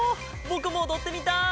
ぼくもおどってみたい！